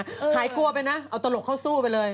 หายกลัวไปนะเอาตลกเข้าสู้ไปเลย